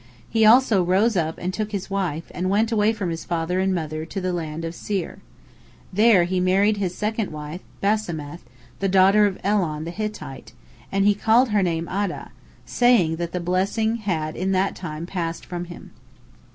He also rose up and took his wife, and went away from his father and mother to the land of Seir. There he married his second wife, Basemath, the daughter of Elon the Hittite, and he called her name Adah, saying that the blessing had in that time passed from him.